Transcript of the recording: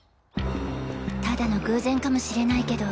ただの偶然かもしれないけど。